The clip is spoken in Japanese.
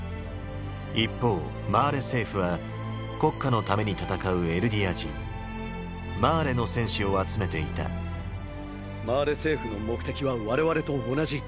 一方マーレ政府は国家のために戦うエルディア人「マーレの戦士」を集めていたマーレ政府の目的は我々と同じ。